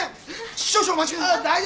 少々お待ちください。